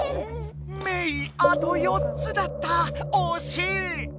メイあと４つだったおしい！